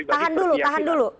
tahan dulu tahan dulu